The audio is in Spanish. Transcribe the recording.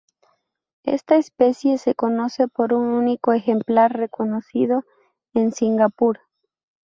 Esta especie se conoce por un único ejemplar recogido en Singapur.